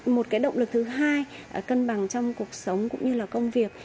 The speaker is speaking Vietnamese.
một cái động lực thứ hai cân bằng trong cuộc sống cũng như là công việc